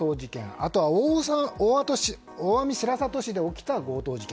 あとは大網白里市で起きた強盗事件。